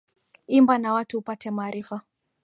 Imba na watu upate maarifa